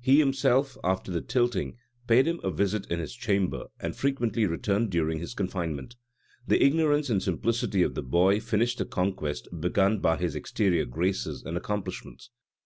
He himself, after the tilting, paid him a visit in his chamber, and frequently returned during his confinement. The ignorance and simplicity of the boy finished the conquest begun by his exterior graces and accomplishments.